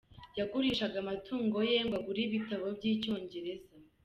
Yagurishaga amatungo ye ngo agure ibitabo by’Icyongereza.